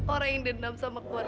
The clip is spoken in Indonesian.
orang yang dendam sama keluarga